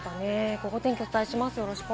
ゴゴ天気をお伝えします。